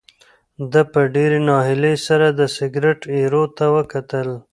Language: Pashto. ده په ډېرې ناهیلۍ سره د سګرټ ایرو ته وکتل.